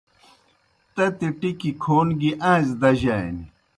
تتی ٹِکیْ کھون گیْ آئݩزیْ دجانیْ۔